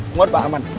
muat pak aman